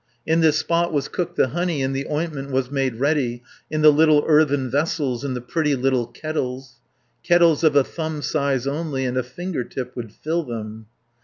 In this spot was cooked the honey, And the ointment was made ready 450 In the little earthen vessels, In the pretty little kettles, Kettles of a thumb size only, And a finger tip would fill them.